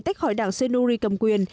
tách khỏi đảng senuri cầm quyền